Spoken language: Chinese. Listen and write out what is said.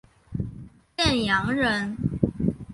建阳人。